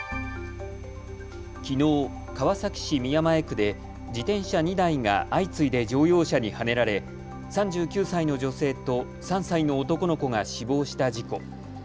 きのう、川崎市宮前区で自転車２台が相次いで乗用車にはねられ３９歳の女性と３歳の男の子が死亡した事故。